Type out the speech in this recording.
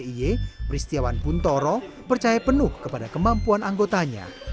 kepada ie peristiwan puntoro percaya penuh kepada kemampuan anggotanya